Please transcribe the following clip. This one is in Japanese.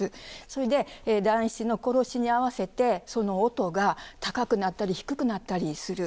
それで団七の殺しに合わせてその音が高くなったり低くなったりする。